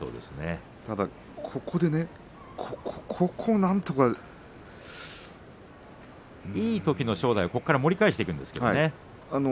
ただ、土俵際ここをなんとか。いいときの正代は土俵際から盛り返していくんですよね。